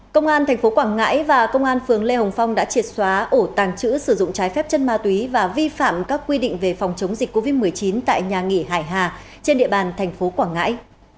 công an tp quảng ngãi và công an phường lê hồng phong đã triệt xóa ổ tàng trữ sử dụng trái phép chân ma túy và vi phạm các quy định về phòng chống dịch covid một mươi chín tại nhà nghỉ hải hà trên địa bàn thành phố quảng ngãi